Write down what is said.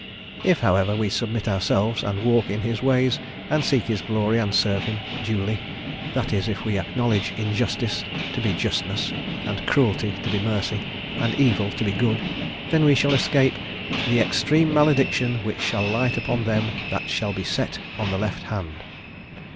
If, however, we submit ourselves, and walk in his ways, and seek his glory, and serve him duly that is, if we acknowledge injustice to be justness, and cruelty to be mercy, and evil to be good then we shall escape "the extreme malediction which shall light upon them that shall be set on the left hand."